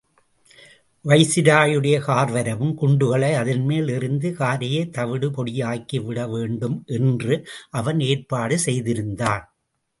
வைசிராயுடைய கார்வரவும் குண்டுகளை அதன்மேல் எறிந்து காரையே தவிடு பொடியாக்கி விடவேண்டும் என்று அவன் ஏற்பாடு செய்திருந்தான்.